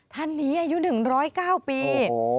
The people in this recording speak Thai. ท่านนี้อายุ๑๐๙ปี